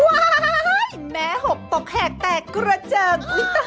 ว้ายแม้หบตกแหกแตกกุระเจิง